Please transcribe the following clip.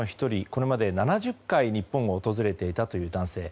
これまで７０回日本を訪れていたという男性。